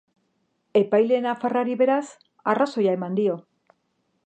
Epaile nafarrari beraz, arrazoia eman dio.